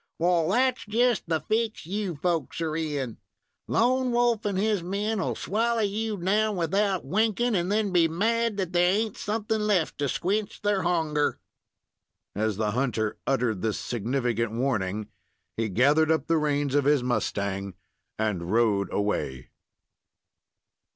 Wal, that's just the fix you folks are in. Lone Wolf and his men will swallow you down without winkin', and then be mad that there ain't somethin' left to squinch thar hunger." As the hunter uttered this significant warning, he gathered up the reins of his mustang and rode away.